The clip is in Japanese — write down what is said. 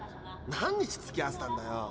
何日つきあわせたんだよ。